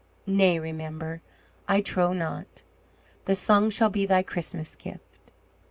"Nay, Remember, I trow not. The song shall be thy Christmas gift."